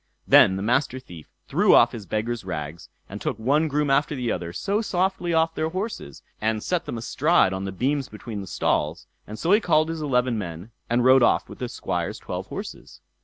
Then the Master Thief threw off his beggar's rags, and took one groom after the other so softly off their horses, and set them astride on the beams between the stalls; and so he called his eleven men, and rode off with the Squire's twelve horses.